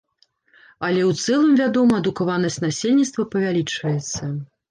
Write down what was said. Але ў цэлым, вядома, адукаванасць насельніцтва павялічваецца.